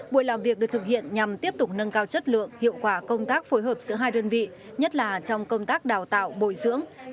buổi làm việc được thực hiện nhằm tiếp tục nâng cao chất lượng hiệu quả công tác phối hợp giữa hai đơn vị nhất là trong công tác đào tạo bồi dưỡng